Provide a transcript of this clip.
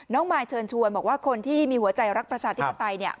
มายเชิญชวนบอกว่าคนที่มีหัวใจรักประชาธิปไตยเนี่ย